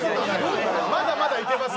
まだまだいけます。